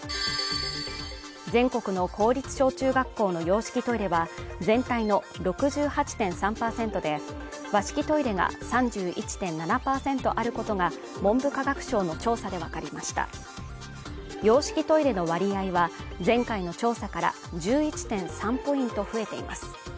全国の公立小中学校の洋式トイレは全体の６８．３％で和式トイレが３１．７％あることが文部科学省の調査で分かりました洋式トイレの割合は前回の調査から１１．３ポイント増えています